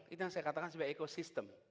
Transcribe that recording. itu yang saya katakan sebagai ekosistem